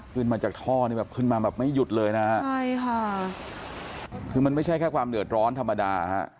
ขึ้นมาจากท่อนี่แบบขึ้นมาแบบไม่หยุดเลยนะฮะใช่ค่ะคือมันไม่ใช่แค่ความเดือดร้อนธรรมดาฮะ